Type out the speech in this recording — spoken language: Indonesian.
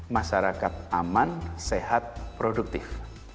masyarakat aman sehat produktif